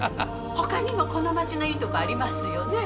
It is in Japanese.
ほかにもこの町のいいとこありますよね？